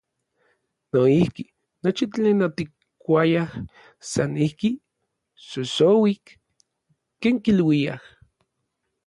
Noijki, nochi tlen otikkuayaj san ijki, “xoxouik”, ken kiluiaj.